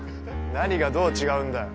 何がどう違うんだよ？